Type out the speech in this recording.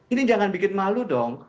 ini jangan bikin malu dong